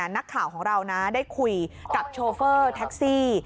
นักข่าวของเรานะได้คุยกับโชเฟอร์แท็กซี่